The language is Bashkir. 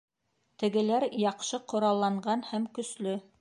Тегеләр яҡшы ҡоралланған һәм көслө.